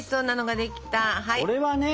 これはね！